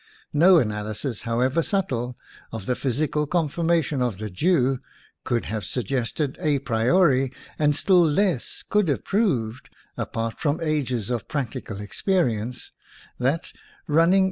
No analysis, however subtle, of the physical conformation of the Jew could have suggested a priori, and still less could have proved, apart from ages of practical experience, that, running par representation.